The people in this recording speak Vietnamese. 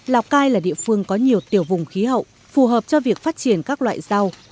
lào cai là địa phương có nhiều tiểu vùng khí hậu phù hợp cho việc phát triển các loại rau